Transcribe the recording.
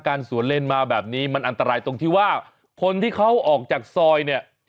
สวนเล่นมาแบบนี้มันอันตรายตรงที่ว่าคนที่เขาออกจากซอยเนี่ย